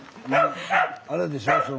あれでしょう